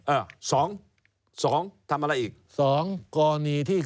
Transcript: อ่ะสองสองทำอะไรอีกสองก้อนี่